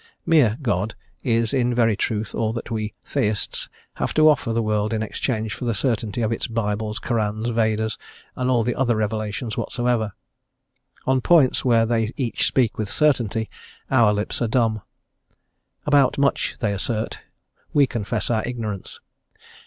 "Mere" God is, in very truth, all that we Theists have to offer the world in exchange for the certainties of its Bibles, Korans, Vedas, and all other revelations whatsoever. On points where they each speak with certainty, our lips are dumb. About much they assert, we confess our ignorance.